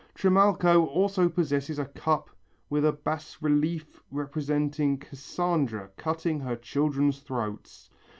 Trimalcho also possesses a cup with a bas relief representing Cassandra cutting her children's throats.